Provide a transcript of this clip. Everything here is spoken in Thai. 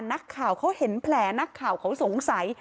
นักข่าวเขาเห็นแผลนักข่าวเขาสงสัย